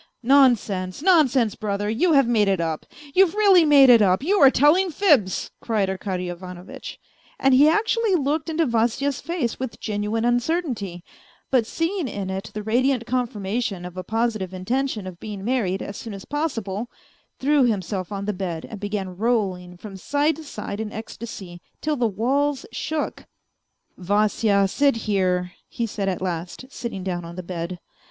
Nonsense, nonsense, brother, you have made it up, you've really made it up, you are telling fibs 1 " cried Arkady Ivanovitch, and he actually looked into Vasya's face with genuine uncertainty, but seeing in it the radiant confirmation of a positive intention of being married as soon as possible, threw himself on the bed and began rolling from side to side in ecstasy till the walls shook. " Vasya, sit here," he said at last, sitting down on the bed.